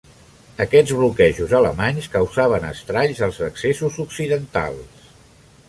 Aquests bloquejos alemanys causaven estralls als accessos occidentals.